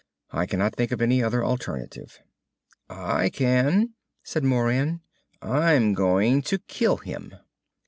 I cannot think of any other alternative." "I can," said Moran. "I'm going to kill him."